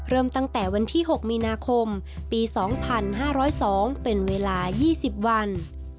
เริ่มตั้งแต่วันที่๖มีนาคมปี๒๕๐๒เป็นเวลา๒๐วัน